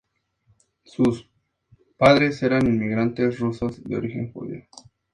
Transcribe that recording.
Sus padres eran inmigrantes rusos de origen judío.